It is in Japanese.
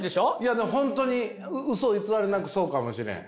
本当にうそ偽りなくそうかもしれん。